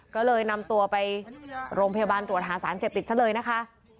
ก็เลยนำตัวไปโรงพยาบาลตรวจหาสารเสพติดซะเลยนะคะ